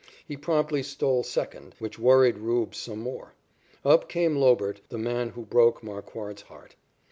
He promptly stole second, which worried "Rube" some more. Up came Lobert, the man who broke Marquard's heart.